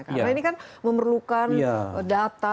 karena ini kan memerlukan data statistik peralatan